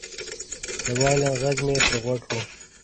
د وایلن غږ مې تر غوږ و